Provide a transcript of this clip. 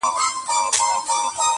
هم لوېدلی یې له پامه د خپلوانو,